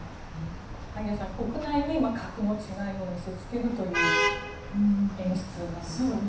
萩谷さん国内に格の違いを見せつけるという演出なんでしょうか。